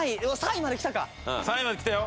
３位まできたよ。